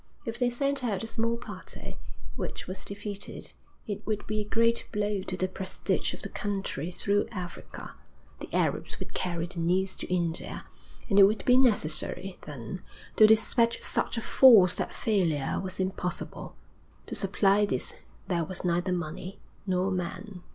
If they sent out a small party, which was defeated, it would be a great blow to the prestige of the country through Africa the Arabs would carry the news to India and it would be necessary, then, to despatch such a force that failure was impossible. To supply this there was neither money nor men.